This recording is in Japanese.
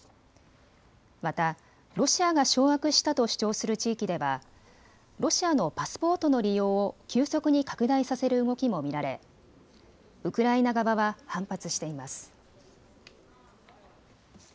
またロシアが掌握したと主張する地域ではロシアのパスポートの利用を急速に拡大させる動きも見られウクライナ側は反発しています。